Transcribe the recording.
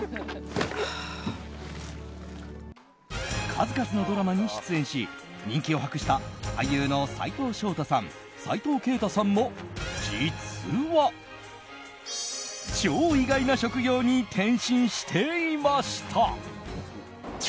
数々のドラマに出演し人気を博した俳優の斉藤祥太さん斉藤慶太さんも実は超意外な職業に転身していました。